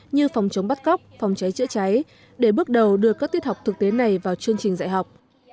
như phòng chống bắt cóc phòng cháy chữa cháy để bước đầu đưa các tiết học thực tế này vào chương trình dạy học